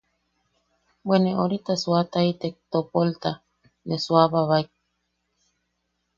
Bwe ne orita suuataitek topolta, ne suuababaek.